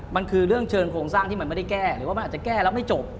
มันคือเรื่องเชิงโครงสร้างที่มันไม่ได้แก้หรือว่ามันอาจจะแก้แล้วไม่จบ